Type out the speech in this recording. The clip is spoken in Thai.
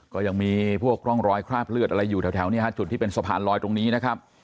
ก็ยังมีพวกร่องรอยคราบเลือดอะไรอยู่แถวเนี่ยฮะจุดที่เป็นสะพานลอยตรงนี้นะครับ